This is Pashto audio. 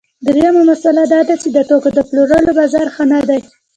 درېیمه مسئله دا ده چې د توکو د پلورلو بازار ښه نه دی